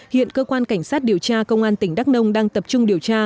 hiện cơ quan cảnh sát điều tra công an tỉnh đắk nông đang tập trung điều tra